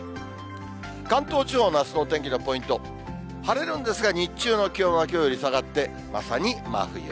関東地方のあすのお天気のポイント、晴れるんですが、日中の気温はきょうより下がってまさに真冬。